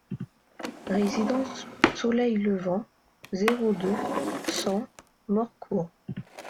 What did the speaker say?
Résidence Soleil Levant, zéro deux, cent Morcourt